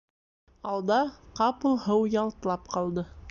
Алда ҡапыл һыу ялтлап ҡалды.